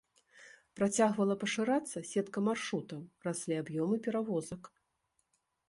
Працягвала пашырацца сетка маршрутаў, раслі аб'ёмы перавозак.